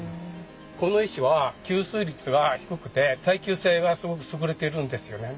この石は吸水率が低くて耐久性がすごく優れてるんですよね。